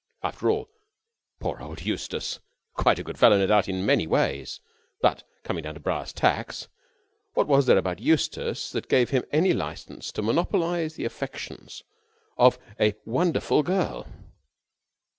After all ... poor old Eustace ... quite a good fellow, no doubt in many ways ... but, coming down to brass tacks, what was there about Eustace that gave him any license to monopolise the affections of a wonderful girl?